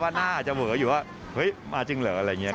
ว่าหน้าอาจจะเวออยู่ว่ามาจริงเหรออะไรอย่างนี้ครับ